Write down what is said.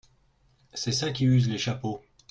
C’est ça qui use les chapeaux.